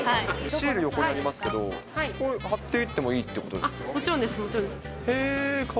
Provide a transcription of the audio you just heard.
シールが横にありますけど、これ、貼っていってもいいってことですか？